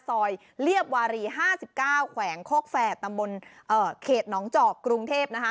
เรียบวารี๕๙แขวงโคกแฝดตำบลเขตหนองจอกกรุงเทพนะคะ